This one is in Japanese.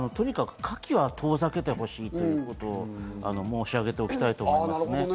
とにかく火気は遠ざけてほしいということ、申し上げておきたいですね。